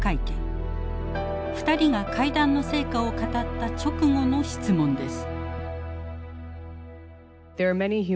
２人が会談の成果を語った直後の質問です。